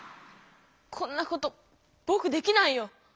こんなことぼくできないよ。